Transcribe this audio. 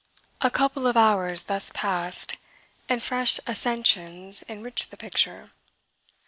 A couple of hours thus passed, and fresh accessions enriched the picture.